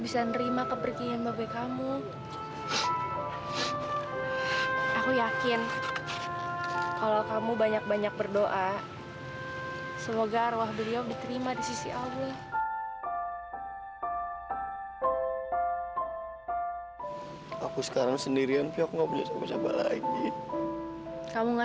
sampai jumpa di video selanjutnya